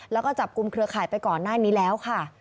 แล้วก็จับกลุ่มเครือข่ายไปก่อนหน้านี้แล้วค่ะ